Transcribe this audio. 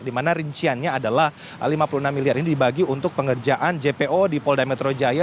di mana rinciannya adalah lima puluh enam miliar ini dibagi untuk pengerjaan jpo di polda metro jaya